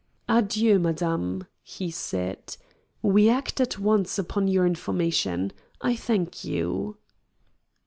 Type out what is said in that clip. "Adieu, madame," he said. "We act at once upon your information. I thank you!"